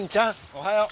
おはよう。